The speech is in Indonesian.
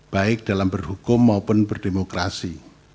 baik dalam berhukum maupun berdemokrasi